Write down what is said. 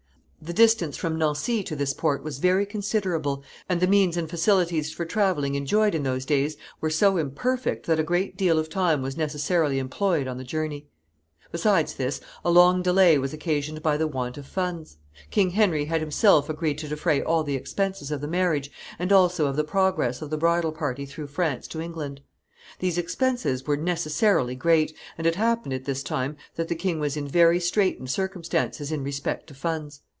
The distance from Nancy to this port was very considerable, and the means and facilities for traveling enjoyed in those days were so imperfect that a great deal of time was necessarily employed on the journey. Besides this, a long delay was occasioned by the want of funds. King Henry had himself agreed to defray all the expenses of the marriage, and also of the progress of the bridal party through France to England. These expenses were necessarily great, and it happened at this time that the king was in very straitened circumstances in respect to funds.